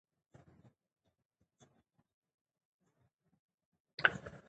کتاب هغه بې ژبې ښوونکی دی چې موږ ته د ژوند درس راکوي.